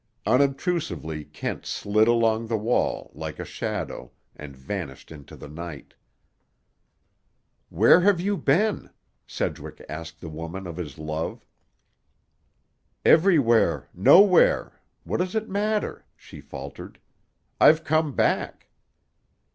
Unobtrusively Kent slid along the wall, like a shadow, and vanished into the night. "Where have you been?" Sedgwick asked the woman of his love. "Everywhere. Nowhere. What does it matter?" she faltered. "I've come back."